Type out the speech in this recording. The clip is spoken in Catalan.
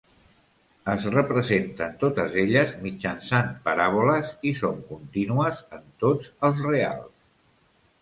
Es representen totes elles mitjançant paràboles i són contínues en tots els reals.